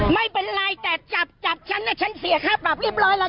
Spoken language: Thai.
ไม่เป็นไรแต่จับจับฉันฉันเสียค่าปรับเรียบร้อยแล้ว